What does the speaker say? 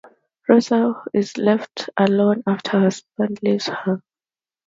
Rosa is left alone after her husband leaves her.